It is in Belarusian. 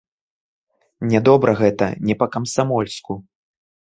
Нядобра гэта, не па-камсамольску.